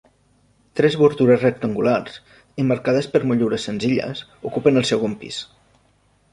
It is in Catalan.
Tres obertures rectangulars emmarcades per motllures senzilles ocupen el segon pis.